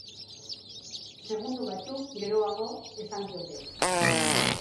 Segundo batzuk geroago esan diote.